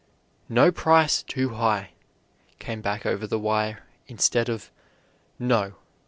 "No price too high," came back over the wire instead of "No.